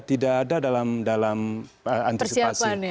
tidak ada dalam antipasi